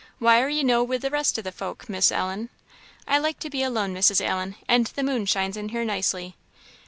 Why are ye no wi' the rest o' the folk, Miss Ellen?" "I like to be alone, Mrs. Allen, and the moon shines in here nicely."